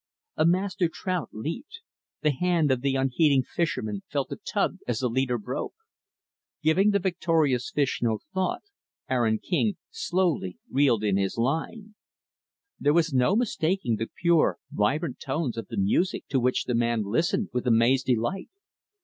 A master trout leaped. The hand of the unheeding fisherman felt the tug as the leader broke. Giving the victorious fish no thought, Aaron King slowly reeled in his line. There was no mistaking the pure, vibrant tones of the music to which the man listened with amazed delight.